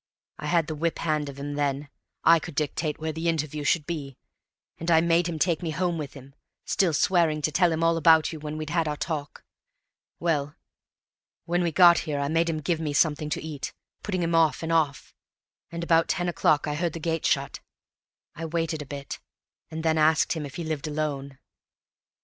I had the whip hand of him then. I could dictate where the interview should be, and I made him take me home with him, still swearing to tell him all about you when we'd had our talk. Well, when we got here I made him give me something to eat, putting him off and off; and about ten o'clock I heard the gate shut. I waited a bit, and then asked him if he lived alone.